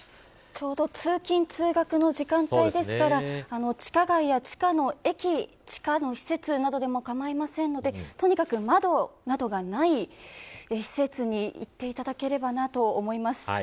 ちょうど通勤、通学の時間帯ですから地下街や地下の駅地下の施設などでも構いませんのでとにかく窓などがない施設に行っていただければと思います。